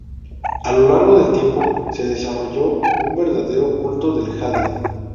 A lo largo del tiempo se desarrolló un verdadero culto del jade.